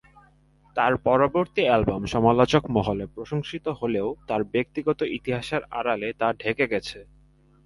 তার পরবর্তী অ্যালবাম সমালোচক মহলে প্রশংসিত হলেও তার ব্যক্তিগত ইতিহাসের আড়ালে তা ঢেকে গেছে।